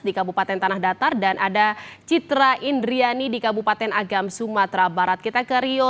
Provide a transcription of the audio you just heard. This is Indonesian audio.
di kabupaten tanah datar dan ada citra indriani di kabupaten agam sumatera barat kita ke rio